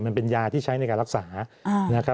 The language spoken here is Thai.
มันเป็นยาที่ใช้ในการรักษา